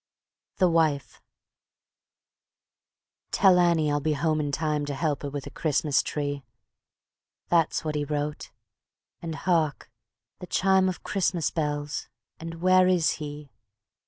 The Wife "Tell Annie I'll be home in time To help her with her Christmas tree." That's what he wrote, and hark! the chime Of Christmas bells, and where is he?